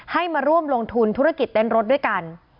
ให้มาร่วมลงทุนธุรกิจเต้นรถด้วยกัน